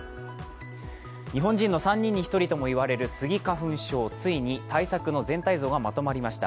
日本人の３人に１人とも言われるスギ花粉症、ついに対策の全体像がまとまりました。